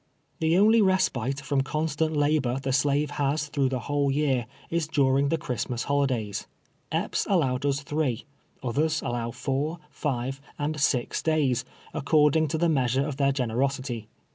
Tlie only respite from constant labor the slave has through the whole year, is during the Christmas holi days. Epps allowed us three — others allow four, five and six days, according to the measure of their generosity.